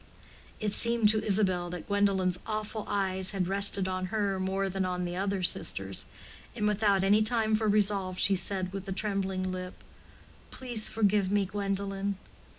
It seemed to Isabel that Gwendolen's awful eyes had rested on her more than on the other sisters, and without any time for resolve, she said, with a trembling lip: "Please forgive me, Gwendolen."